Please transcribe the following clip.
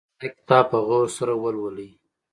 دا کتاب په غور سره ولولئ